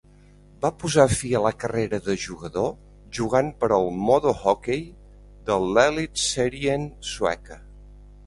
Va posar fi a la carrera de jugador jugant per al Modo Hockey de l'Elitserien sueca.